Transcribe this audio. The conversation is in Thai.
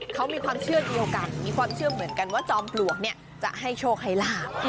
เขามีความเชื่อเดียวกันมีความเชื่อเหมือนกันว่าจอมปลวกเนี่ยจะให้โชคให้ลาบ